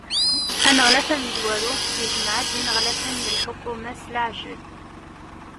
Aneɣlaf amezwaru ijmeɛ-d ineɣlafen n lḥukuma-s s leɛjel.